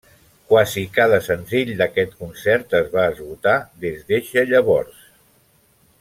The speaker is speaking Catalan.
Quasi cada senzill d'aquest concert es va esgotar des d'eixe llavors.